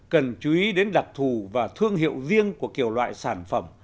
cần chú ý đến đặc thù và thương hiệu riêng của kiểu loại sản phẩm